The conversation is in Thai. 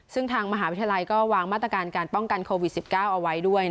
ซึ่งทางมหาวิทยาลัยก็วางมาตรการการป้องกันโควิด๑๙เอาไว้ด้วย